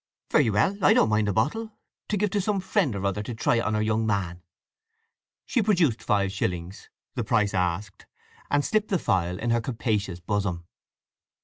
"Very well—I don't mind a bottle—to give some friend or other to try it on her young man." She produced five shillings, the price asked, and slipped the phial in her capacious bosom.